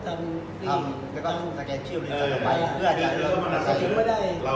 จะถามได้มั้ยครับ